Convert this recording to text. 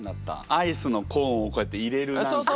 アイスのコーンをこうやって入れる。